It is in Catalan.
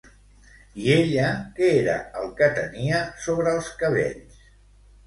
I ella què era el que tenia sobre els cabells?